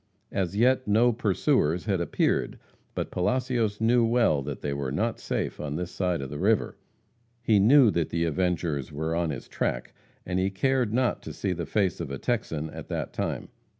As yet, no pursuers had appeared, but Palacios knew well that they were not safe on this side the river. He knew that the avengers were on his track, and he cared not to see the face of a Texan at that time.